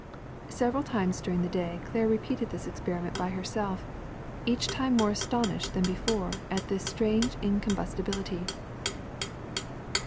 Several times during the day Claire repeated this experiment by herself, each time more astonished than before at this strange incombustibility.